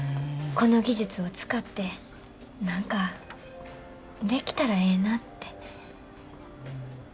この技術を使って何かできたらええなって。